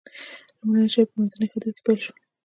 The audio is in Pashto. لومړني شواهد په منځني ختیځ کې پیل شول.